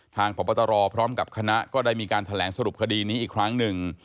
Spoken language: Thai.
พบตรพร้อมกับคณะก็ได้มีการแถลงสรุปคดีนี้อีกครั้งหนึ่ง